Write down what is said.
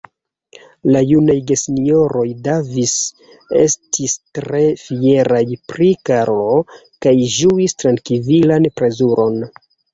La junaj gesinjoroj Davis estis tre fieraj pri Karlo kaj ĝuis trankvilan plezuron.